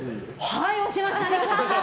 はい、押しましたね！